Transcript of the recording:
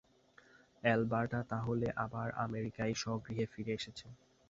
Alberta তাহলে আবার আমেরিকায় স্বগৃহে ফিরে এসেছে।